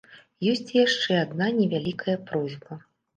Ёсць і яшчэ адна невялікая просьба.